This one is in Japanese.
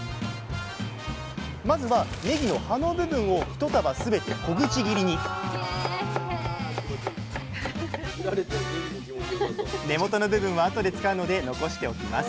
まずはねぎの葉の部分を一束全て小口切りに根元の部分は後で使うので残しておきます。